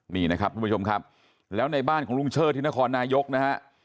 นี่นะครับทุกผู้ชมครับแล้วในบ้านของลุงเชิดที่นครนายกนะฮะ